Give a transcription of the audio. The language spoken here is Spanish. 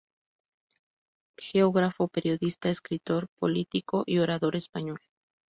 Geógrafo, periodista, escritor, político y orador español.